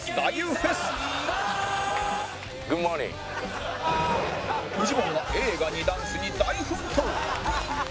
フジモンが映画にダンスに大奮闘！